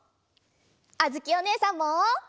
あづきおねえさんも。